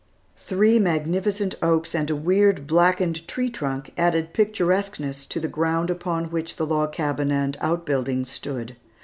Three magnificent oaks and a weird, blackened tree trunk added picturesqueness to the ground upon which the log cabin and outbuildings stood.